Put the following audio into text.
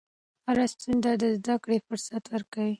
هره ستونزه د زدهکړې فرصت ورکوي.